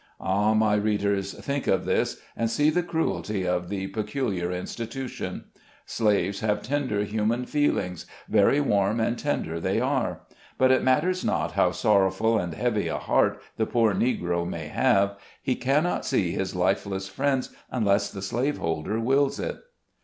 Ah, my readers ! think of this, and see the cruelty of the "peculiar institu tion" Slaves have tender human feelings — very warm and tender they are ; but it matters not how sorrowful and heavy a heart the poor Negro may have, he cannot see his lifeless friends unless the slave holder wills it.